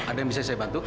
ada yang bisa saya bantu